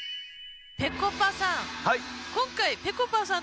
ぺこぱさん